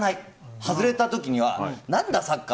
外れた時にはなんだサッカー